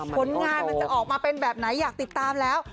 ผลงานมันจะออกมาเป็นแบบไหนอยากติดตามแล้ว